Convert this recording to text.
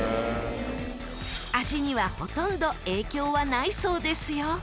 味にはほとんど影響はないそうですよ。